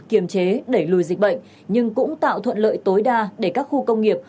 kiềm chế đẩy lùi dịch bệnh nhưng cũng tạo thuận lợi tối đa để các khu công nghiệp